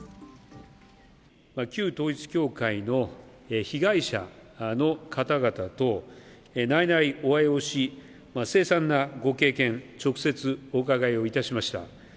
旧統一教会の被害者の方々と内々、お会いをし、凄惨なご経験、直接お伺いをいたしました。